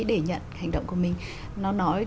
để nhận hành động của mình nó nói là